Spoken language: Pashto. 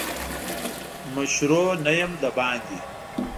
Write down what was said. مشرو نه یم دباندي.